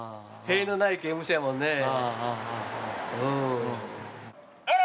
塀のない刑務所やもんね。